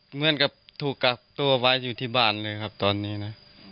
เหมือนกับถูกกักตัวไว้อยู่ที่บ้านเลยครับตอนนี้นะ